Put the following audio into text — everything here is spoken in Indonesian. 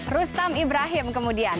rustam ibrahim kemudian